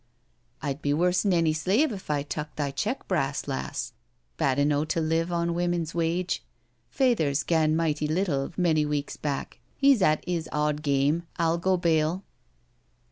" I'd be worse 'n any slave if I tuk thy check brass, lass. Bad eno' to live on women's wage. Fayther's gan mighty little many weeks back — ^he's at 'is owd game, I'll go bail."